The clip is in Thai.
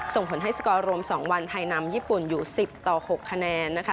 ส่งผลให้สกอร์รวม๒วันไทยนำญี่ปุ่นอยู่๑๐ต่อ๖คะแนนนะคะ